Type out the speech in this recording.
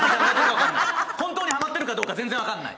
本当にハマってるか全然分からない。